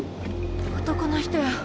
男の人や。